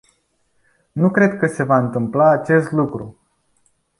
Nu cred că se va întâmpla acest lucru.